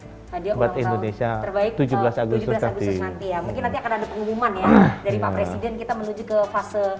hadiah ulang tahun terbaik tujuh belas agustus nanti ya mungkin nanti akan ada pengumuman ya dari pak presiden kita menuju ke fase